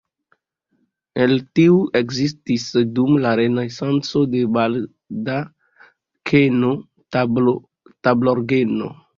El tiu ekestis dum la renesanco la baldakeno-tablorgeno.